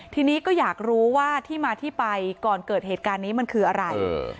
ทีนี้ก็อยากรู้ว่าที่มาที่ไปก่อนเกิดเหตุการณ์นี้มันคืออะไร